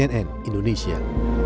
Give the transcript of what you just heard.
tim liputan cnn indonesia